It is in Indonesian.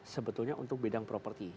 sebetulnya untuk bedang properti